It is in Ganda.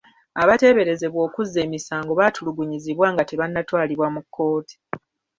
Abateeberezebwa okuzza emisango baatulugunyizibwa nga tebannatwalibwa mu kkooti.